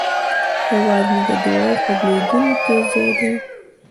هیواد مې د دعاوو قبلېدونکی ځای دی